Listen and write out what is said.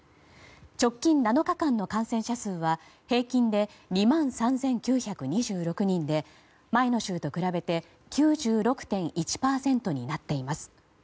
直近７日間の感染者数は平均で２万３９２６人で前の週と比べて９６．１％になっています。